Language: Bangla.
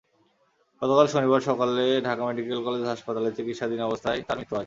গতকাল শনিবার সকালে ঢাকা মেডিকেল কলেজ হাসপাতালে চিকিৎসাধীন অবস্থায় তাঁর মৃত্যু হয়।